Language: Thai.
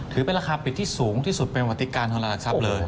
ถือเป็นราคาปิดที่สูงที่สุดเป็นวติการโทรหลักทรัพย์เลย